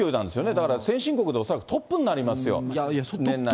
だから先進国でおそらくトップになりますよ。